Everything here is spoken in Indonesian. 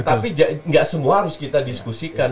tapi nggak semua harus kita diskusikan